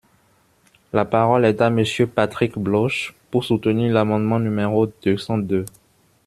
La parole est à Monsieur Patrick Bloche, pour soutenir l’amendement numéro deux cent deux.